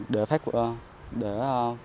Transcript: để phát huy được